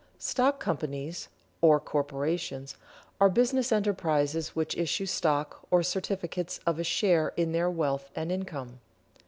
_ Stock companies, or corporations, are business enterprises which issue stock, or certificates of a share in their wealth and income.